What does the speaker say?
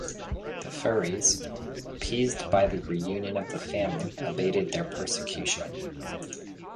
The Furies, appeased by the reunion of the family, abated their persecution.